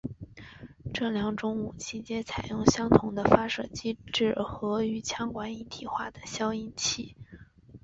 这两种武器皆采用相同的发射机制和与枪管一体化的消音器。